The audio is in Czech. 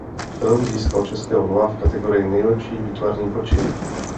Film získal Českého lva v kategorii nejlepší výtvarný počin.